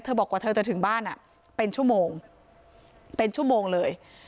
บอกกว่าเธอจะถึงบ้านเป็นชั่วโมงเป็นชั่วโมงเลย